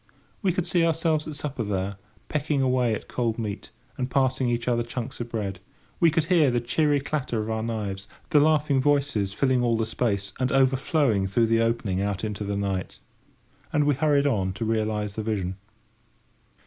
We could see ourselves at supper there, pecking away at cold meat, and passing each other chunks of bread; we could hear the cheery clatter of our knives, the laughing voices, filling all the space, and overflowing through the opening out into the night. And we hurried on to realise the vision.